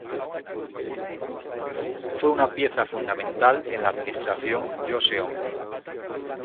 Fue una pieza fundamental en la administración Joseon.